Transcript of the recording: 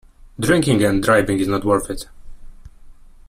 Drinking and driving is not worth it.